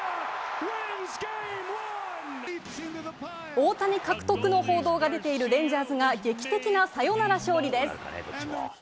大谷獲得の報道が出ているレンジャーズが劇的なサヨナラ勝利です。